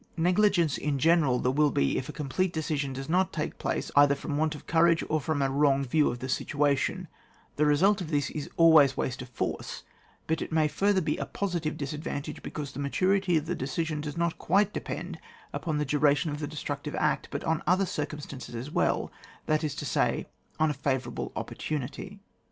Negligence in general there will be if a complete decision does not take place, either from want of courage or ftom, a wrong view of the situation ; the result of this is always waste of force, but it may further be a positive disadvanta^^e, because the maturity of the decision does not quite depend upon the duration of the destructive act, but on other circum stances as well, that is to say, on a fa vourable opportunity.